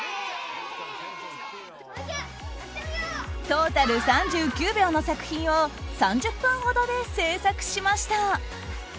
トータル３９秒の作品を３０分ほどで制作しました。